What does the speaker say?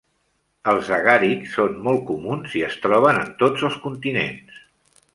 Els agàrics són molt comuns i es troben en tots els continents.